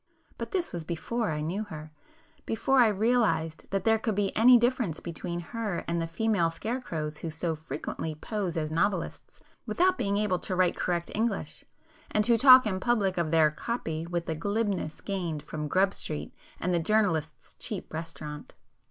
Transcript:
but this was before I knew her,—before I realized that there could be any difference between her and the female scarecrows who so frequently pose as 'novelists' without being able to write correct English, and who talk in public of their 'copy' with the glibness gained from Grub Street and the journalists' cheap restaurant.